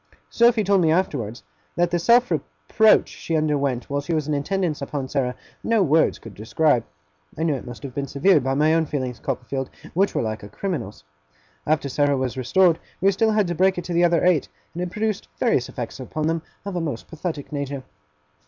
Sophy told me afterwards, that the self reproach she underwent while she was in attendance upon Sarah, no words could describe. I know it must have been severe, by my own feelings, Copperfield; which were like a criminal's. After Sarah was restored, we still had to break it to the other eight; and it produced various effects upon them of a most pathetic nature.